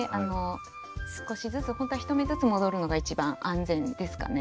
少しずつほんとは１目ずつ戻るのが一番安全ですかね。